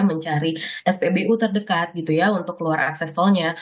mencari spbu terdekat gitu ya untuk keluar akses tolnya